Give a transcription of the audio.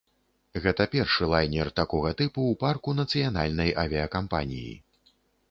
Гэта першы лайнер такога тыпу ў парку нацыянальнай авіякампаніі.